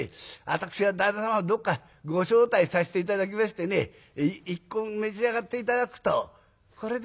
私が旦那様をどっかご招待させて頂きましてね一献召し上がって頂くとこれでいかがでございますか？」。